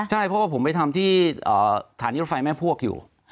ใช่เพราะว่าผมไปทำที่ฐานีรถไฟแม่พวกอยู่